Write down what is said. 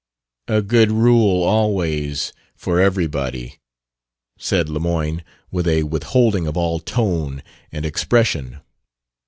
"A good rule always, for everybody," said Lemoyne, with a withholding of all tone and expression.